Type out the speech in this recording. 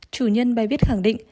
chủ nhân bài viết khẳng định